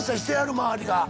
周りが。